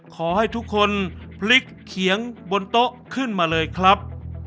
ขอให้ทุกคนพลิกเขียงบนโต๊ะขึ้นมาเลยครับ